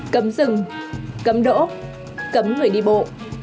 cấm rừng cấm đỗ cấm người đi bộ